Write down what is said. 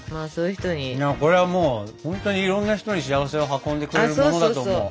これはもうほんとにいろんな人に幸せを運んでくれるものだと思う。